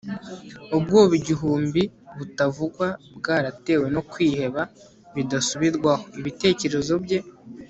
Ubwoba igihumbi butavugwa bwaratewe no kwiheba bidasubirwaho ibitekerezo bye